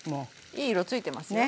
いい色ついてますよ。